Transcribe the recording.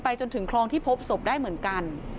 จนถึงคลองที่พบศพได้เหมือนกัน